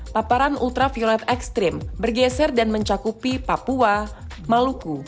paparan ultraviolet ekstrim bergeser dan mencakupi papua maluku